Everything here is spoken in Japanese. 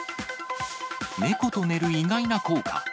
猫と寝る意外な効果。